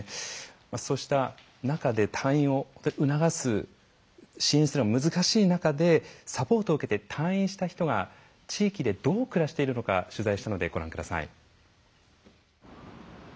そうした中で退院を促す支援するのは難しい中でサポートを受けて退院した人が地域でどう暮らしているのか取材したのでご覧ください。